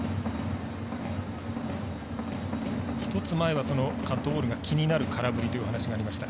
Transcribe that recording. １つ前はカットボールが気になる空振りという話がありました。